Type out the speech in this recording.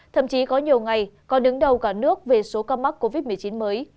thậm chí có nhiều ngày còn đứng đầu cả nước về số ca mắc covid một mươi chín mới